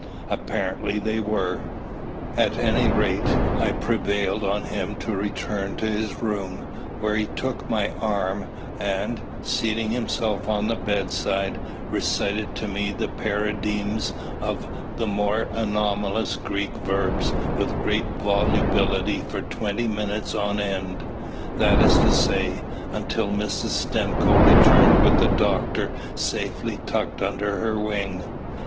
Apparently they were. At any rate, I prevailed on him to return to his room, when he took my arm, and, seating himself on the bedside, recited to me the paradigms of the more anomalous Greek verbs with great volubility for twenty minutes on end that is to say, until Mrs. Stimcoe returned with the doctor safely tucked under her wing.